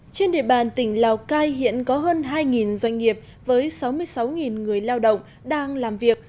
trên địa bàn tỉnh lào cai hiện có hơn hai doanh nghiệp với sáu mươi sáu người lao động đang làm việc